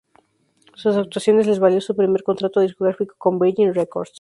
Sus actuaciones les valió su primer contrato discográfico con Virgin Records.